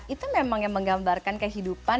itu memang yang menggambarkan kehidupan